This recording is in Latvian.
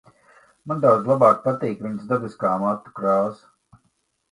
Man daudz labāk patīk viņas dabiskā matu krāsa.